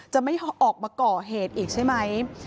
จะไม่ออกมาก่อเหตุอีกใช่ไหม